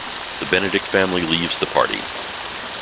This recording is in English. The Benedict family leaves the party.